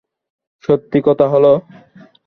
সত্যি কথা হল?